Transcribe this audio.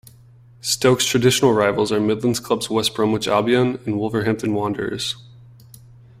Stoke's traditional rivals are Midlands clubs West Bromwich Albion and Wolverhampton Wanderers.